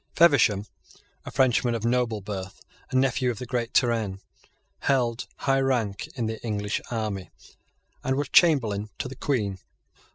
Feversham, a Frenchman of noble birth, and nephew of the great Turenne, held high rank in the English army, and was Chamberlain to the Queen.